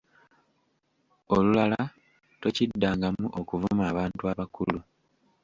Olulala tokiddangamu okuvuma abantu abakulu.